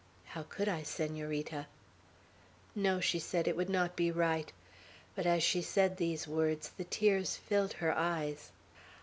"How could I, Senorita?" "No," she said, "it would not be right;" but as she said these words, the tears filled her eyes.